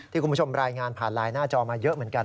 คุณผู้ชมรายงานผ่านไลน์หน้าจอมาเยอะเหมือนกัน